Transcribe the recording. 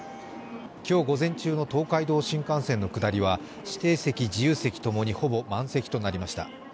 今日午前中の東海道新幹線の下りは指定席・自由席ともにほぼ満席となりました。